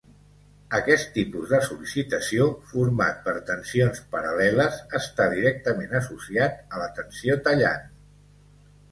Aquest tipus de sol·licitació format per tensions paral·leles està directament associat a la tensió tallant.